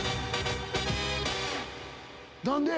何で？